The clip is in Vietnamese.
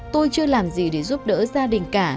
tôi chưa làm gì để giúp đỡ gia đình